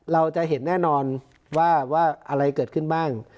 เราจะเห็นแน่นอนว่าอะไรเกิดขึ้นบ้าง